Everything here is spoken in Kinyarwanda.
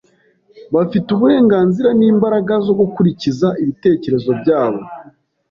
Bafite uburenganzira nimbaraga zo gukurikiza ibitekerezo byabo.